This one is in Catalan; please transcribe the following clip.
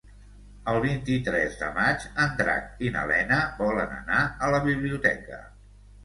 El vint-i-tres de maig en Drac i na Lena volen anar a la biblioteca.